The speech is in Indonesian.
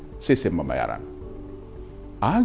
agar sistem pembayaran antarnegara semakin lama